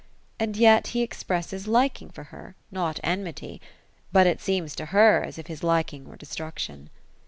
And yet, be expresses liking for her, not enmity ; but it seems to her as if his liking were destruction.